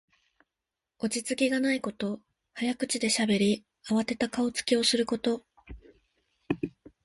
落ち着きがないこと。早口でしゃべり、あわてた顔つきをすること。